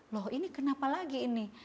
loh ini kenapa lagi ini